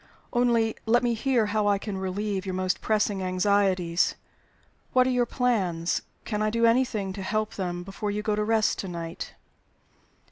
Only let me hear how I can relieve your most pressing anxieties. What are your plans? Can I do anything to help them before you go to rest to night?"